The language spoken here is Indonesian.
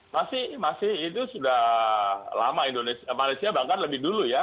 masih masih itu sudah lama malaysia bahkan lebih dulu ya